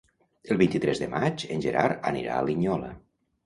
El vint-i-tres de maig en Gerard anirà a Linyola.